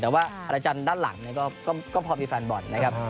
แต่ว่าอาจารย์ด้านหลังก็พอมีแฟนบอลนะครับ